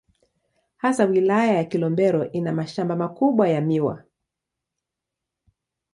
Hasa Wilaya ya Kilombero ina mashamba makubwa ya miwa.